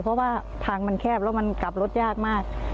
เพราะว่าทางมันแคบแล้วมันกลับรถยากมาก